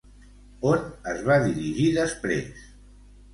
On es va dirigir després?